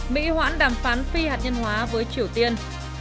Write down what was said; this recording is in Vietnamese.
mỹ hoãn đàm phán phi hạt nhân hóa với triều tiên